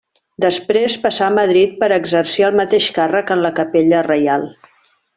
Després passà a Madrid per a exercir el mateix càrrec en la Capella Reial.